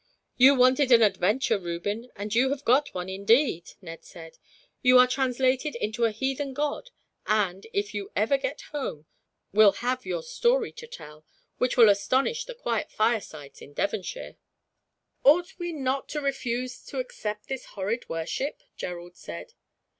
"You wanted an adventure, Reuben, and you have got one, indeed," Ned said. "You are translated into a heathen god and, if you ever get home, will have your story to tell, which will astonish the quiet firesides in Devonshire." "Ought we not to refuse to accept this horrid worship?" Gerald said.